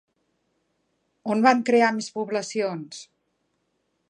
On van crear més poblacions?